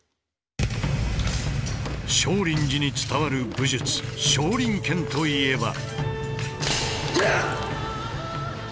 少林寺に伝わる武術少林拳といえば。